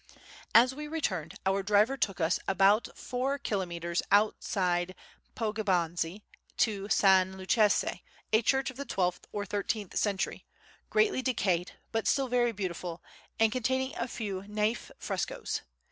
As we returned our driver took us about 4 kilometres outside Poggibonsi to San Lucchese, a church of the 12th or 13th century, greatly decayed, but still very beautiful and containing a few naïf frescoes.